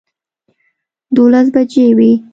دولس بجې وې